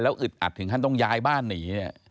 อึดอัดถึงขั้นต้องย้ายบ้านหนีเนี่ย